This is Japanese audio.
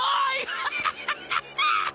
アハハハハ！